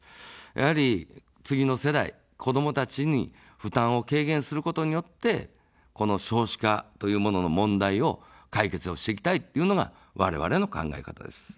やはり、次の世代、子どもたちに負担を軽減することによって、この少子化というものの問題を解決をしていきたいというのがわれわれの考え方です。